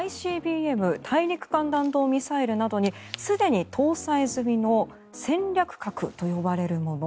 ＩＣＢＭ・大陸間弾道ミサイルなどにすでに搭載済みの戦略核と呼ばれるもの。